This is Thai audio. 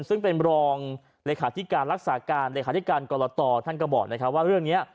ซึ่งเป็นรองเลขาธิการรักษาการเลขาธิการกรตท่านก็บอกนะครับว่าเรื่องนี้